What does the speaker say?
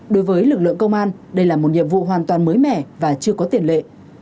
đối với lực lượng công an đây là một nhiệm vụ hoàn toàn mới mẻ và chưa có tiền lệ